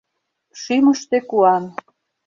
Шӱмыштӧ — куан.